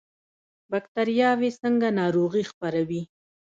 بکتریاوې څنګه ناروغي خپروي؟